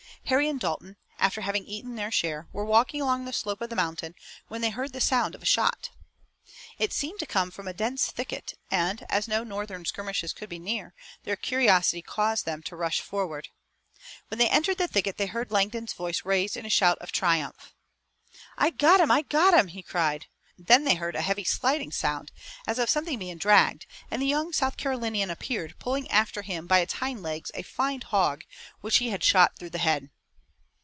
Harry and Dalton, after having eaten their share, were walking along the slope of the mountain, when they heard the sound of a shot. It seemed to come from a dense thicket, and, as no Northern skirmishers could be near, their curiosity caused them to rush forward. When they entered the thicket they heard Langdon's voice raised in a shout of triumph. "I got him! I got him!" he cried. Then they heard a heavy sliding sound, as of something being dragged, and the young South Carolinian appeared, pulling after him by its hind legs a fine hog which he had shot through the head.